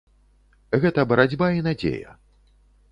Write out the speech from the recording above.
Гэта барацьба і надзея.